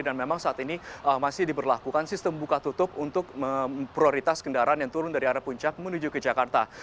dan memang saat ini masih diberlakukan sistem buka tutup untuk prioritas kendaraan yang turun dari arah puncak menuju ke jakarta